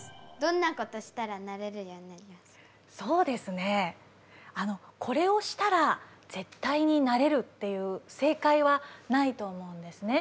そうですねこれをしたら絶対になれるっていう正解はないと思うんですね。